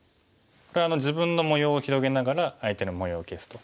これは自分の模様を広げながら相手の模様を消すと。